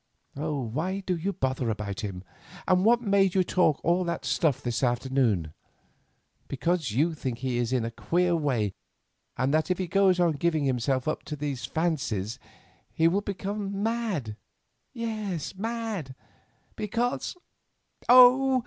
Why do you bother about him? and what made you talk all that stuff this afternoon? Because you think he is in a queer way, and that if he goes on giving himself up to his fancies he will become mad—yes, mad—because—Oh!